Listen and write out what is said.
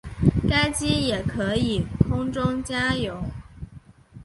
该机也可以空中加油。